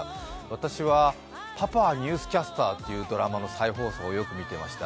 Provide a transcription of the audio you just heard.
私は「パパはニュースキャスター」というドラマの再放送をよく見ていました。